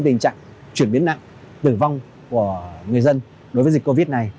tình trạng chuyển biến nặng tử vong của người dân đối với dịch covid này